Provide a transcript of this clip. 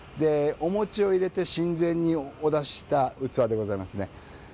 お餅を入れて神前にお出しした器でございますね。